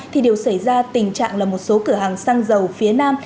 thì đều xảy ra tình trạng là một số cửa hàng xăng dầu phía nam